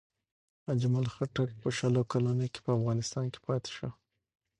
اجمل خټک په شل کلونو کې په افغانستان کې پاتې شو.